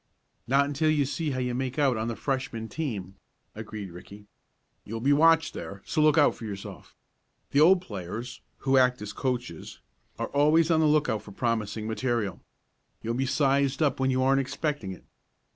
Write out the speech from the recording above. "Not until you see how you make out on the Freshman team," agreed Ricky. "You'll be watched there, so look out for yourself. The old players, who act as coaches, are always on the lookout for promising material. You'll be sized up when you aren't expecting it.